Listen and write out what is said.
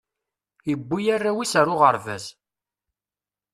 iwwi arraw is ar uɣerbaz